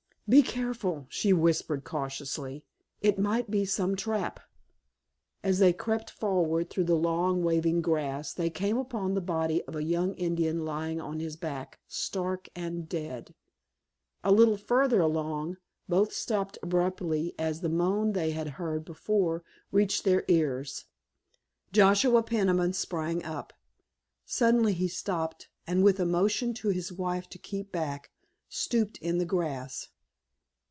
"Be careful," she whispered cautiously, "it might be some trap!" As they crept forward through the long, waving grass they came upon the body of a young Indian lying on his back, stark and dead. A little farther along both stopped abruptly as the moan they had heard before reached their ears. Joshua Peniman sprang forward. Suddenly he stopped, and with a motion to his wife to keep back, stooped in the grass.